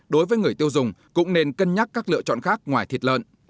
đối với người tiêu dùng cũng nên cân nhắc các lựa chọn khác ngoài thịt lợn